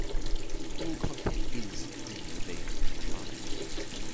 All content is freely available online.